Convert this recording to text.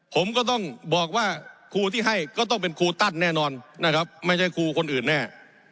ผมก็ต้องบอกว่าครูที่ให้ก็ต้องเป็นครูตั้นแน่นอนนะครับไม่ใช่ครูคนอื่นแน่